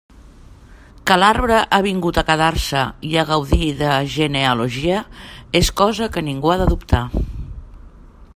Que l'arbre ha vingut a quedar-se i a gaudir de genealogia és cosa que ningú ha de dubtar.